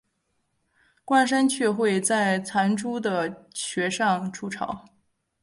冠山雀会在残株的穴上筑巢。